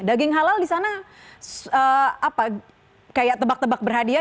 daging halal disana kayak tebak tebak berhadiah